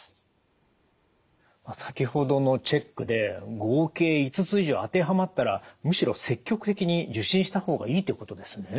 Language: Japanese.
先ほどのチェックで合計５つ以上当てはまったらむしろ積極的に受診した方がいいってことですね？